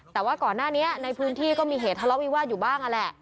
แต่ว่าก่อนหน้านี้ในพื้นที่ก็มีเหตุทะเลาะวิวาสอยู่บ้างนั่นแหละ